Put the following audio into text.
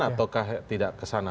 ataukah tidak ke sana